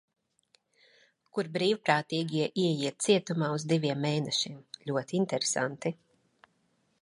Kur brīvprātīgie ieiet cietumā uz diviem mēnešiem. Ļoti interesanti.